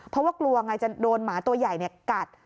เพราะว่ากลัวไงจะโดนหมาตัวใหญ่กัด